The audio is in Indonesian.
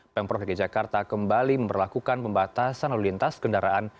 pemprov dki jakarta kembali memperlakukan pembatasan lalu lintas kendaraan